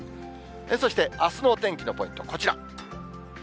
そして、あすのお天気のポイント、こちら。